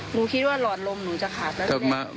หนูคิดว่าหลอดลมหนูจะขาดแล้วทีนี้